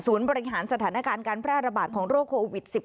บริหารสถานการณ์การแพร่ระบาดของโรคโควิด๑๙